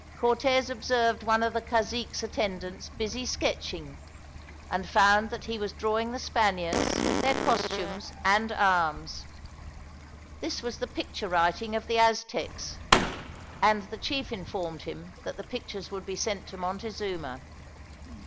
Cortez observed one of the cazique's attendants busy sketching, and found that he was drawing the Spaniards, their costumes, and arms. This was the picture writing of the Aztecs, and the chief informed him that the pictures would be sent to Montezuma.